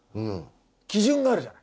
基準があるじゃん。